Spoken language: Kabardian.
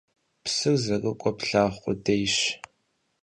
Psır zerık'uer plhağu khudêyş.